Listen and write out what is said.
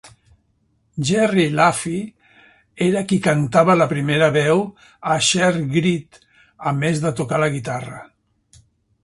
Gerry Laffy era qui cantava la primera veu a Sheer Greed, a més de tocar la guitarra.